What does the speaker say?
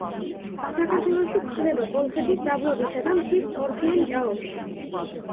საქართველოში გვხვდება კოლხეთის დაბლობისა და მთის ტორფიან ჭაობში.